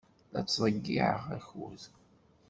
La ttḍeyyiɛeɣ akud.